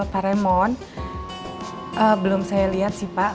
pak remon belum saya lihat sih pak